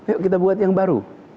yuk kita buat yang baru